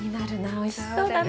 おいしそうだな。